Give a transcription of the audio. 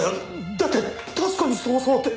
だって確かにそう教わって！